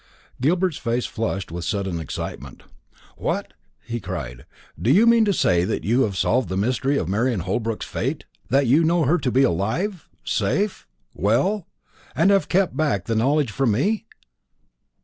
Gilbert's face flushed with sudden excitement. "What!" he cried, "do you mean to say that you have solved the mystery of Marian Holbrook's fate? that you know her to be alive safe well, and have kept back the knowledge from me?"